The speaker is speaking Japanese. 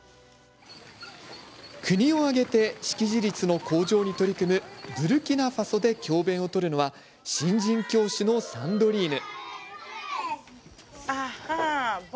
国を挙げて識字率の向上に取り組むブルキナファソで教べんを取るのは新人教師のサンドリーヌ。